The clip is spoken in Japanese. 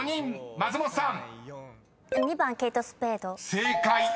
橋本さん］